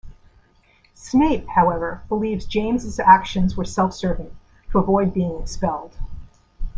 Snape, however, believes James's actions were self-serving, to avoid being expelled.